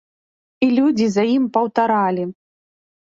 І людзі за ім паўтаралі.